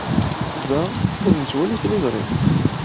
Da, ur nettwali tiliẓri.